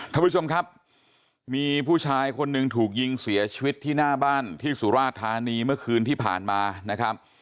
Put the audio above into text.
ท่านผู้ชมครับมีผู้ชายคนหนึ่งถูกยิงเสียชีวิตที่หน้าบ้านที่สุราธานีเมื่อคืนที่ผ่านมานะครับ